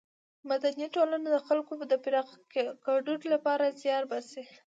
مدني ټولنه د خلکو د پراخه ګډون له پاره زیار باسي.